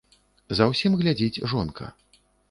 За ўсім глядзіць жонка.